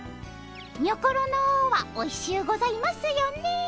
にょころのはおいしゅうございますよね。